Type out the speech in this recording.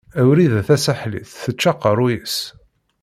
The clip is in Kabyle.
Wrida Tasaḥlit tečča aqeṛṛuy-is.